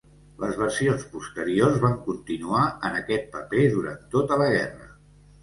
Les versions posteriors van continuar en aquest paper durant tota la guerra.